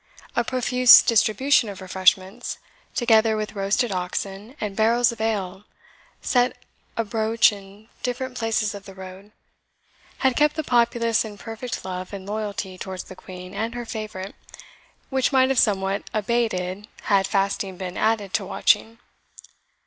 A profuse distribution of refreshments, together with roasted oxen, and barrels of ale set a broach in different places of the road, had kept the populace in perfect love and loyalty towards the Queen and her favourite, which might have somewhat abated had fasting been added to watching.